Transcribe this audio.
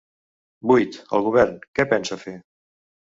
Vuit-El govern, què pensa fer?